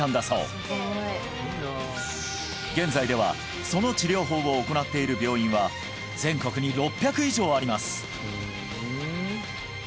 そう現在ではその治療法を行っている病院は全国に６００以上あります